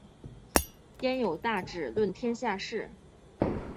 焉有大智论天下事！